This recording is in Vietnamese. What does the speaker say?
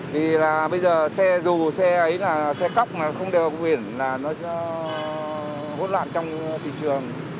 vì bây giờ xe rù xe cốc không đều có biển nó hốt loạn trong thị trường